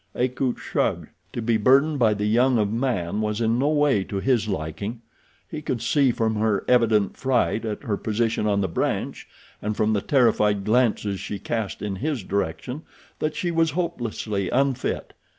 Akut shrugged. To be burdened by the young of man was in no way to his liking. He could see from her evident fright at her position on the branch, and from the terrified glances she cast in his direction that she was hopelessly unfit.